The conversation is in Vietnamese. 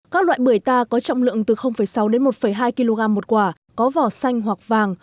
các loại bưởi ta có trọng lượng từ sáu đến một hai kg một quả có vỏ xanh hoặc vàng